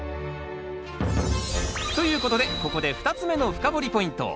ということでここで２つ目の深掘りポイント。